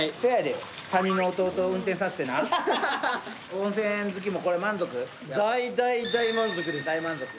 温泉好きも満足？